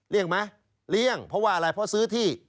ไหมเลี่ยงเพราะว่าอะไรเพราะซื้อที่